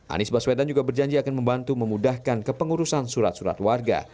anies baswedan juga berjanji akan membantu memudahkan kepengurusan surat surat warga